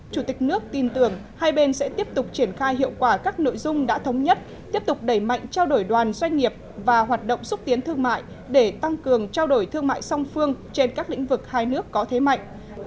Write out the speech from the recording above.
chủ tịch nước tin tưởng hai bên sẽ tiếp tục triển khai hiệu quả các nội dung đã thống nhất tiếp tục đẩy mạnh trao đổi đoàn doanh nghiệp và hoạt động xúc tiến thương mại để tăng cường trao đổi thương mại song phương trên các lĩnh vực hai nước có thế mạnh